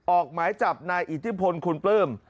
ออกหมายจับนายอิทธิพลคุณปลื้ม